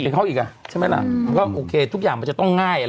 เข้าอีกอ่ะใช่ไหมล่ะก็โอเคทุกอย่างมันจะต้องง่ายอะไร